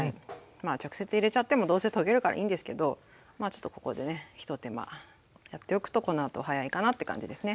まあ直接入れちゃってもどうせ溶けるからいいんですけどちょっとここでね一手間やっておくとこのあと早いかなって感じですね。